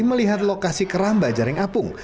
melihat lokasi keramba jaring apung